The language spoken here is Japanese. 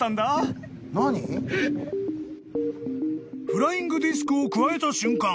［フライングディスクをくわえた瞬間